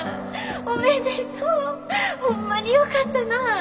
おめでとう！ホンマによかったなぁ！